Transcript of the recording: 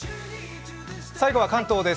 最後は関東です。